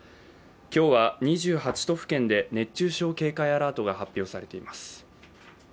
今日は２８都府県で熱中症警戒アラートが発表されています。